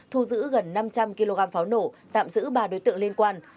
thu giữ gần năm trăm linh kg pháo nổ tạm giữ ba đối tượng liên quan